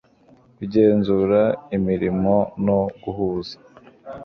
kugenzura imirimo no guhuza